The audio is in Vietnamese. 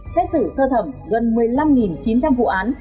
xét xử sơ thẩm gần một mươi năm chín trăm linh vụ án